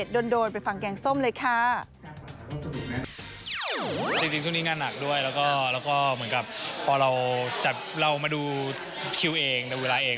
จริงช่วงนี้งานหนักด้วยแล้วก็เหมือนกับพอเราจัดเรามาดูคิวเองดูเวลาเอง